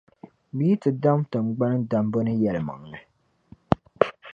Bɛ yitidam tiŋgbani, dambu ni yεlmaŋli.